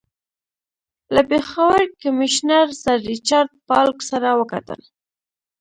له پېښور کمیشنر سر ریچارډ پالک سره وکتل.